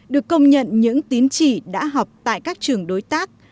được công nhận những tín chỉ đã học tại các trường đối tác